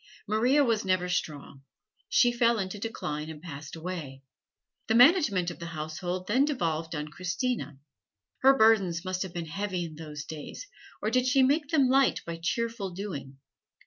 Maria was never strong; she fell into a decline and passed away. The management of the household then devolved on Christina. Her burdens must have been heavy in those days, or did she make them light by cheerful doing?